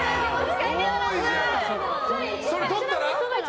それ取ったら？